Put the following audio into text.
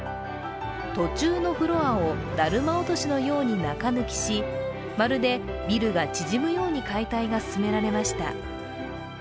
途中のフロアをだるま落としのように中抜きしまるでビルが縮むように解体が進められました。